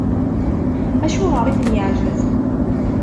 Acuɣer i ten-yeɛjeb?